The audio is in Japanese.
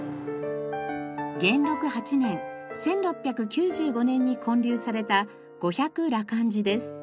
元禄８年１６９５年に建立された五百羅漢寺です。